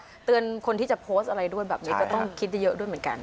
เตือนคนที่จะโพสต์อะไรด้วยแบบนี้ก็ต้องคิดเยอะด้วยเหมือนกัน